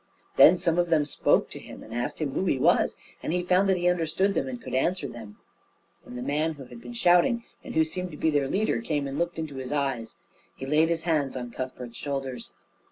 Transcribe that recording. Then some of them spoke to him and asked him who he was, and he found that he understood them and could answer them; and the man who had been shouting, and who seemed to be their leader, came and looked into his eyes. He laid his hands on Cuthbert's shoulders.